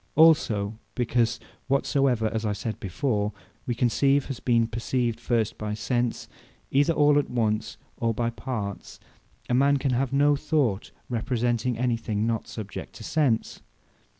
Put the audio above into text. Also because whatsoever (as I said before,) we conceive, has been perceived first by sense, either all at once, or by parts; a man can have no thought, representing any thing, not subject to sense.